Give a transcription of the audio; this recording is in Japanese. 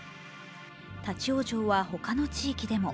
立往生はほかの地域でも。